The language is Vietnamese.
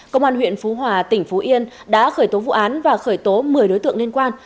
công an huyện phú hòa tỉnh phú yên đã khởi tố vụ án và khởi tố một mươi đối tượng liên quan